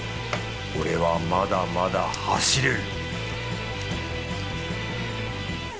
俺はまだまだ走れる